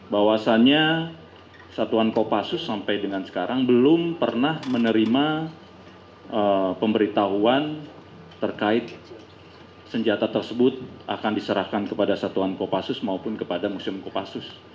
bahwasannya satuan kopassus sampai dengan sekarang belum pernah menerima pemberitahuan terkait senjata tersebut akan diserahkan kepada satuan kopassus maupun kepada museum kopassus